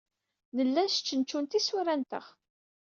Nella nestcentcun tisura-nteɣ.